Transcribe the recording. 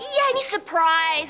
iya ini surprise